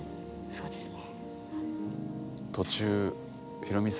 そうですね。